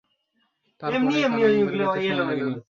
তার পরে কারণ বের করতে সময় লাগে নি।